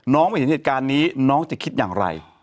ไม่เห็นเหตุการณ์นี้น้องจะคิดอย่างไร